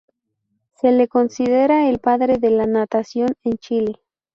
Se le considera el padre de la natación en Chile.